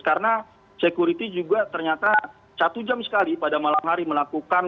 karena sekuriti juga ternyata satu jam sekali pada malam hari melakukan